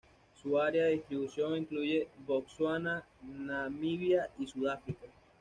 Su área de distribución incluye Botsuana, Namibia y Sudáfrica.